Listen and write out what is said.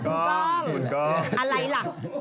อะไรล่ะ